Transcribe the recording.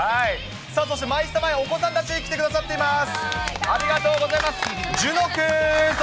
そしてマイスタ前、お子さんたち、来てくださっています。